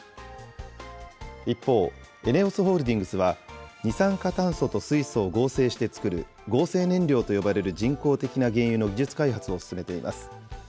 一方、エネオスホールディングスは、二酸化炭素と水素を合成して作る合成燃料と呼ばれる人工的な原油の技術開発を進めています。